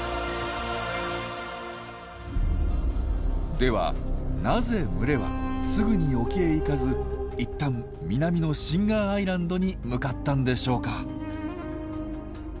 ではなぜ群れはすぐに沖へ行かずいったん南のシンガーアイランドに向かったんでしょうか？